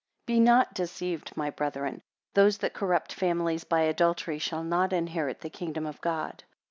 BE not deceived, my brethren: those that corrupt families by adultery, shall not inherit the kingdom of God.